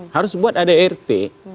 harus buat ada rt